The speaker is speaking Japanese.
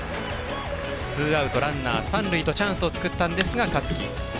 ツーアウト、ランナー、三塁とチャンスを作ったんですが、香月。